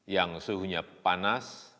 yang suhunya panas